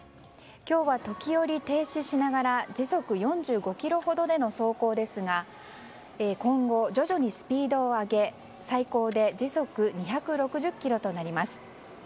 今日は時折停止しながら時速４５キロほどでの走行ですが今後、徐々にスピードを上げ最高で時速２６０キロとなります。